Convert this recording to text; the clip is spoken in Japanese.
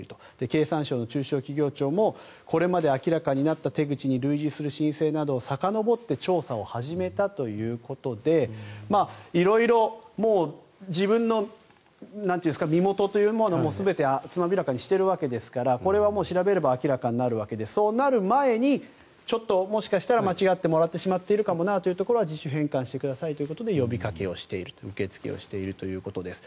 経産省の中小企業庁もこれまで明らかになった手口に類似する申請などをさかのぼって調査を始めたということで色々、自分の身元というものをつまびらかにしているわけですからこれは調べれば明らかになるわけでそうなる前にちょっともしかしたら間違ってもらってしまっているかもなというところは自主返還してくださいということで呼びかけをしている受付をしているということです。